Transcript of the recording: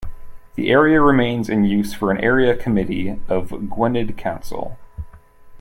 The area remains in use for an area committee of Gwynedd Council.